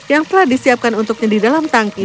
yang telah disiapkan untuknya di dalam tangki